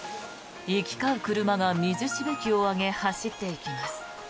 行き交う車が水しぶきを上げ走っていきます。